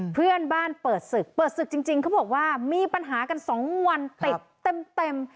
เพื่อนบ้านเปิดศึกเปิดศึกจริงเขาบอกว่ามีปัญหากัน๒วันติดเต็ม